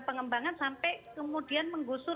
pengembangan sampai kemudian menggusur